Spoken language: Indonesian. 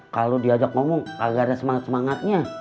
kalau diajak ngomong agar ada semangat semangatnya